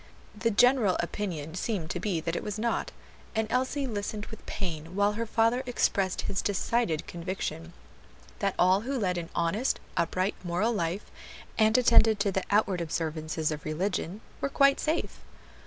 The general opinion seemed to be that it was not, and Elsie listened with pain while her father expressed his decided conviction that all who led an honest, upright, moral life, and attended to the outward observances of religion, were quite safe.